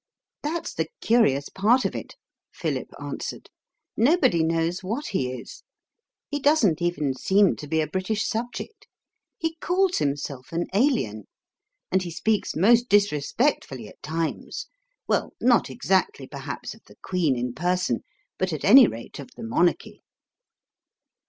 "That's the curious part of it," Philip answered. "Nobody knows what he is. He doesn't even seem to be a British subject. He calls himself an Alien. And he speaks most disrespectfully at times well, not exactly perhaps of the Queen in person, but at any rate of the monarchy."